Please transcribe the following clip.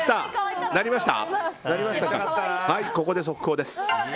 ここで速報です。